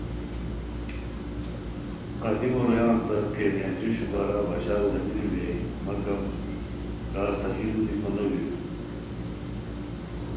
قدیمو رویان سار کیمیا جوشو بارا بشار گانیرو بیرائے مگم کا صحیح لوُ دیکو نو بیرو